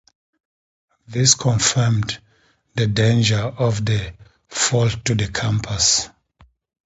This confirmed the danger of the fault to the campus.